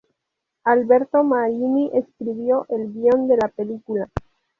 Alberto Marini escribió el guion de la película.